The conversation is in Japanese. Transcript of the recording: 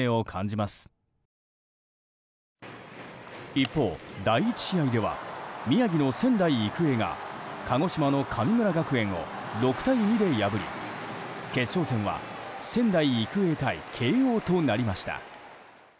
一方、第１試合では宮城の仙台育英が鹿児島の神村学園を６対２で破り決勝戦は仙台育英対慶應となりました。